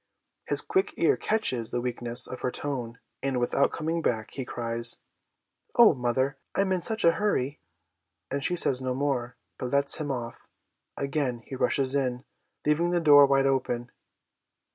His quick ear catches the weakness of her tone, and, without coming back, he cries, * Oh, mother, I'm in sucli a hurry,' and she says no more, but lets him off. Again he rushes in, leaving the door wide open.